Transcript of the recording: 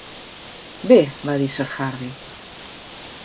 "Bé", va dir Sir Harry.